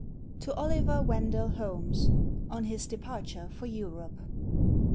TO OLIVER WENDELL HOLMES. ON HIS DEPARTURE FOR EUROPE.